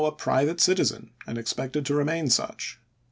a private citizen and expected to remain such.